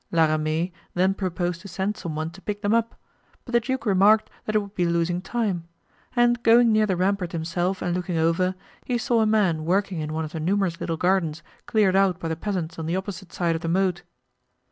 La Ramee then proposed to send some one to pick them up, but the duke remarked that it would be losing time; and going near the rampart himself and looking over, he saw a man working in one of the numerous little gardens cleared out by the peasants on the opposite side of the moat.